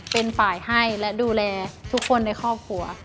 เป็นฝ่ายให้และดูแลทุกคนในครอบครัว